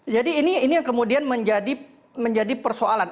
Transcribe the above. jadi ini yang kemudian menjadi persoalan